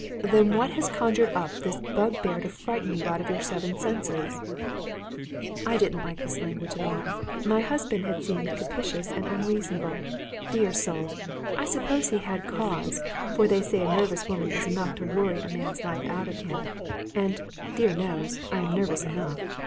"Then what has conjured up this bugbear to frighten you out of your seven senses?" I didn't like this language at all. My husband seemed captious and unreasonable. Dear soul! I supposed he had cause; for they say a nervous woman is enough to worry a man's life out of him; and, dear knows, I am nervous enough!